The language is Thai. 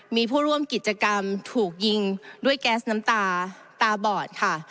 มีผู้ร่วมกิจกรรมถูกยิงด้วยแก๊สน้ำตาตาบอดค่ะ